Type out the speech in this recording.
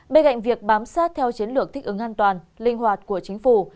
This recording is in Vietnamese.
bên cạnh việc bám sát theo chiến lược thích ứng an toàn linh hoạt của chính phủ